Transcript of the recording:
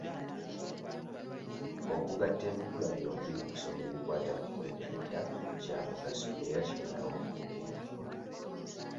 Okugatta ebikula byombi mu kusoma ebikwata ku kwegatta kya mugaso era kimalawo obunkenke.